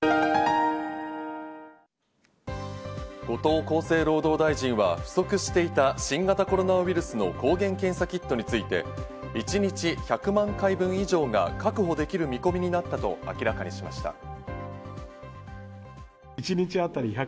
後藤厚生労働大臣は不足していた新型コロナウイルスの抗原検査キットについて、一日１００万回分以上が確保できる見込みになったと明らかにしました。